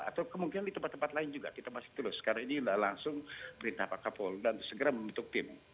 atau kemungkinan di tempat tempat lain juga kita masih terus karena ini sudah langsung perintah pak kapolda untuk segera membentuk tim